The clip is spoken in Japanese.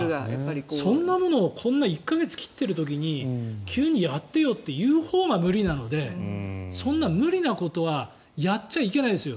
そんなものをこんな１か月切っている時に急にやってよって言うほうが無理なのでそんな無理なことはやっちゃいけないですよ。